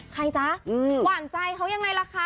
ใครจ๊ะขวานใจเขายังไงนะคะ